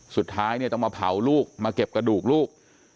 สุดท้ายเนี่ยต้องมาเผาลูกมาเก็บกระดูกลูก